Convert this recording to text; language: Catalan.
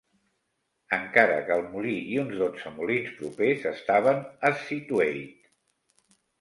Encara que el molí i uns dotze molins propers estaven a Scituate.